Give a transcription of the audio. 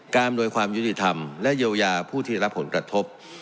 อำนวยความยุติธรรมและเยียวยาผู้ที่รับผลกระทบ